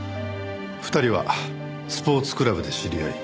２人はスポーツクラブで知り合い。